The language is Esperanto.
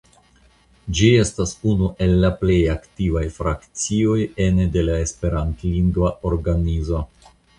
Ĝi estas unu el plej aktivaj frakcioj ene de la esperantlingva organizo.